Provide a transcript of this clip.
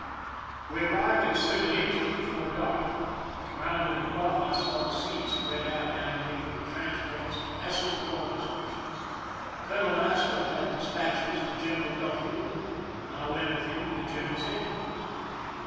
We arrived at Siboney just before dark. Round ing a bluff, I saw the sea spread out, animated with transports and vessels of all descriptions. Colonel Astor had despatches to General Duffield, and I went with him to the generaPs headquarters.